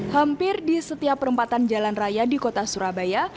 hampir di setiap perempatan jalan raya di kota surabaya